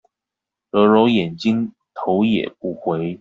揉揉眼睛頭也不回